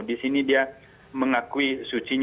disini dia mengakui suci